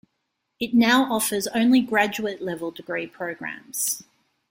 It now offers only graduate-level degree programs.